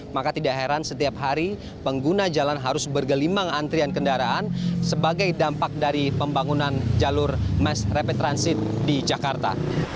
maka tidak heran setiap hari pengguna jalan harus bergelimang antrian kendaraan sebagai dampak dari pembangunan jalur mass rapid transit di jakarta